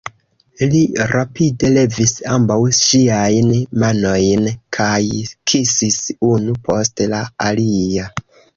Li rapide levis ambaŭ ŝiajn manojn kaj kisis unu post la alia.